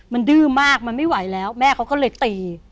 มันดื้อมากมันไม่ไหวแล้วแม่เขาก็เลยตี